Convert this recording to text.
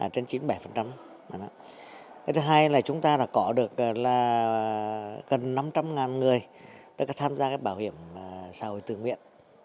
thứ hai là chúng ta đã có được gần năm trăm linh người tham gia bảo hiểm xã hội tư nguyện